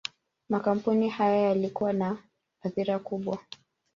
Makampuni haya yalikuwa na athira kubwa.